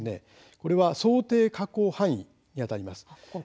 これは想定火口範囲にあたります。